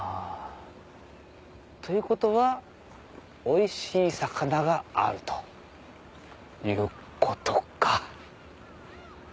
ということはおいしい魚があるということか。